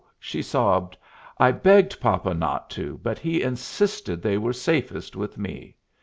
she sobbed, "I begged papa not to, but he insisted they were safest with me.